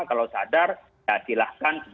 kalau sadar silahkan